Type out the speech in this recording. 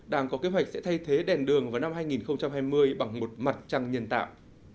đang có kế hoạch sẽ thay thế đèn đường vào năm hai nghìn hai mươi bằng một mặt trăng nhân tạo